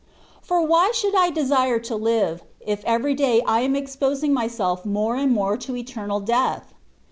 For why should I desire to live, if every day I am exposing myself more and more to eternal death?